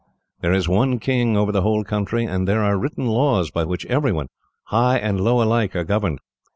There is one king over the whole country, and there are written laws by which everyone, high and low alike, are governed.